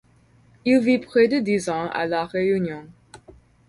Il vit près de dix ans à La Réunion.